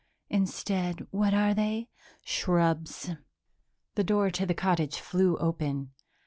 Instead, what are they? Shrubs." The door to the cottage flew open.